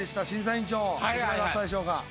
審査委員長いかがだったでしょうか？